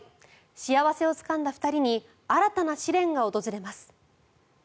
幸せをつかんだ２人に新たな試練が訪れます。